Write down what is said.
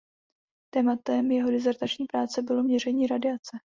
Tématem jeho disertační práce bylo měření radiace.